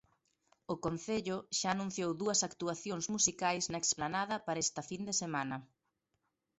O Concello xa anunciou dúas actuacións musicais na explanada para esta fin de semana.